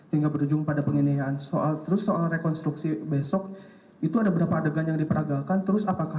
hingga berujung pada penginiayaan terus soal rekonstruksi besok itu ada beberapa adegan yang diperagakan terus apakah